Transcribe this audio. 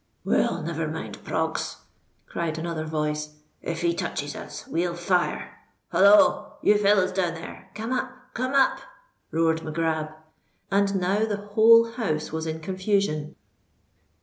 "Well—never mind, Proggs!" cried another voice: "if he touches us, we'll fire. Holloa! you fellows down there—come up!—come up!" roared Mac Grab. And now the whole house was in confusion.